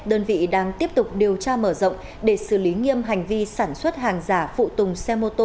đơn vị đang tiếp tục điều tra mở rộng để xử lý nghiêm hành vi sản xuất hàng giả phụ tùng xe mô tô